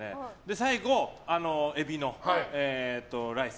最後、エビのライス。